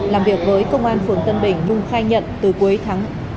làm việc với công an phường tân bình nhung khai nhận từ cuối tháng